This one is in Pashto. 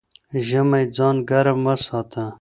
ژمی ځان ګرم وساته